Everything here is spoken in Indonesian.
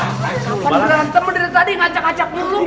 apa berantem dari tadi ngacak ngacak dulu